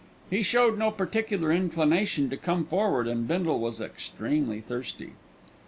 He showed no particular inclination to come forward, and Bindle was extremely thirsty.